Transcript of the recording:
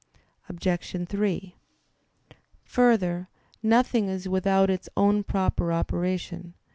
Obj. 3: Further, nothing is without its own proper operation.